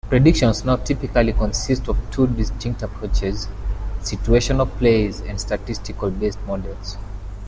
Predictions now typically consist of two distinct approaches: Situational plays and statistical based models.